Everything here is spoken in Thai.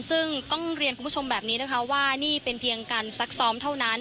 ซึ่งต้องเรียนคุณผู้ชมแบบนี้นะคะว่านี่เป็นเพียงการซักซ้อมเท่านั้น